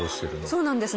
そうなんです。